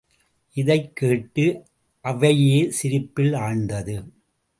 இதைக் கேட்டு அவையே சிரிப்பில் ஆழ்ந்தது.